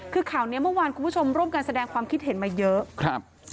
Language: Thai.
คือข่าวนี้เมื่อวานคุณผู้ชมร่วมกันแสดงความคิดเห็นมาเยอะครับ